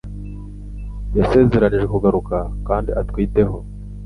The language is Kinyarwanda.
Yasezeranijwe kugaruka Kandi utwiteho